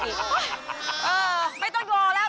ไม่ต้องรอแล้ว